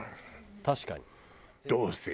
確かに。